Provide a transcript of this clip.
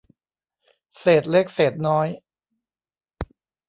เศษเล็กเศษน้อย